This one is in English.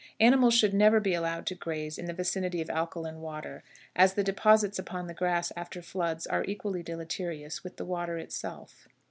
Animals should never be allowed to graze in the vicinity of alkaline water, as the deposits upon the grass after floods are equally deleterious with the water itself.